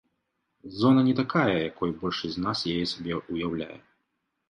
Зона не такая, якой большасць з нас яе сабе ўяўляе.